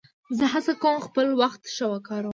زه هڅه کوم خپل وخت ښه وکاروم.